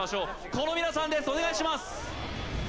この皆さんですお願いします